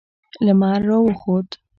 لمر را وخوت.